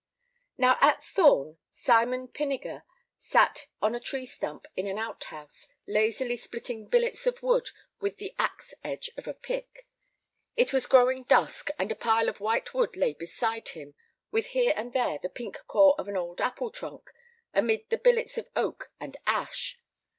Now, at Thorn, Simon Pinniger sat on a tree stump in an out house lazily splitting billets of wood with the axe edge of a pick. It was growing dusk, and a pile of white wood lay beside him, with here and there the pink core of an old apple trunk amid the billets of oak and ash.